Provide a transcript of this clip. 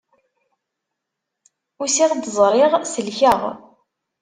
Usiɣ-d, ẓriɣ, selkeɣ.